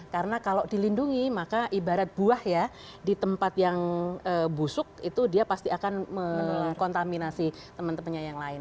karena kalau dilindungi maka ibarat buah ya di tempat yang busuk itu dia pasti akan mengkontaminasi teman temannya yang lain